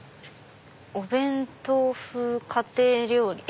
「お弁当風家庭料理」。